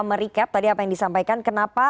merecap tadi apa yang disampaikan kenapa